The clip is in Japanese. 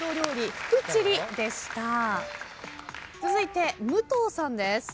続いて武藤さんです。